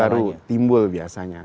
baru timbul biasanya